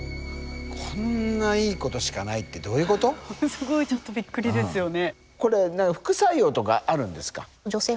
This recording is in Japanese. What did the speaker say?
すごいちょっとびっくりですよね。